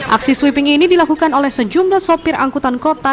aksi sweeping ini dilakukan oleh sejumlah sopir angkutan kota